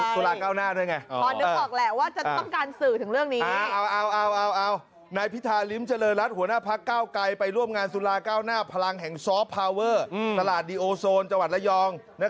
ต้องให้แม่คือไปงานสุราเก้าหน้าด้วยไง